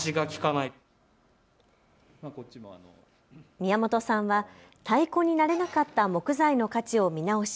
宮本さんは太鼓になれなかった木材の価値を見直し